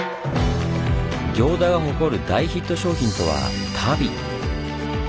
行田が誇る大ヒット商品とは足袋！